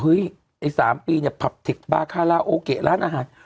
ไอ้๓ปีเนี่ยผับเทคบาคาราโอเกะร้านอาหาร